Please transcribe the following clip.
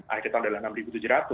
akhir tahun adalah rp enam tujuh ratus